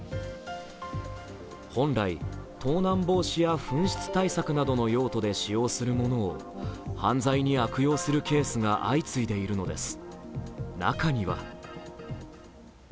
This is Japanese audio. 本来、盗難防止や紛失対策などの用途で使用するものを犯罪に悪用するケースが相次いでいるのです。